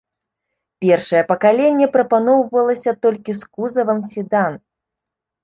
Першае пакаленне прапаноўвалася толькі з кузавам седан.